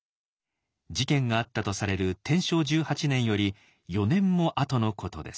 事件があったとされる天正１８年より４年も後のことです。